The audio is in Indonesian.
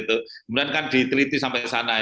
kemudian kan diteliti sampai sana